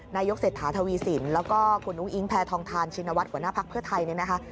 นายกเศรษฐาทวีสินแล้วก็คุณอุ๊งอิ๊งแพทองทานชินวัตรหัวหน้าภักดิ์เพื่อไทย